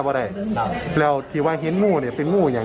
คือตัวติดทางดีกว่า